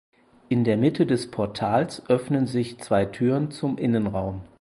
In der Mitte des Portals öffnen sich zwei Türen zum Innenraum.